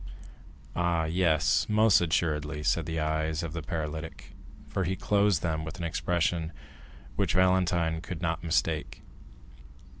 "Ah, yes, most assuredly," said the eyes of the paralytic, for he closed them with an expression which Valentine could not mistake.